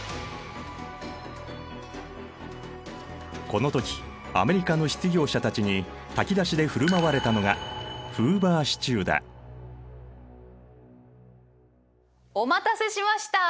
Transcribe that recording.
この時アメリカの失業者たちに炊き出しで振る舞われたのがお待たせしました！